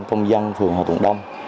công dân phường hòa thuận đông